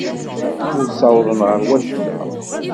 Ur ssawḍen ɣer wacemma.